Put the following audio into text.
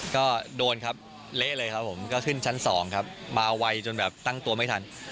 ก็โดนครับเละเลยครับผมก็ขึ้นชั้นสองครับมาไวจนแบบตั้งตัวไม่ทัน